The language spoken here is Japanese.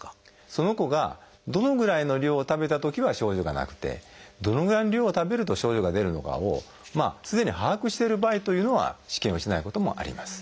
その子がどのぐらいの量を食べたときは症状がなくてどのぐらいの量を食べると症状が出るのかをすでに把握してる場合というのは試験をしないこともあります。